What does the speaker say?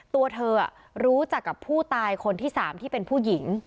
ตัวเธอรู้จักกับผู้ตายคนที่๓ที่เป็นผู้หญิง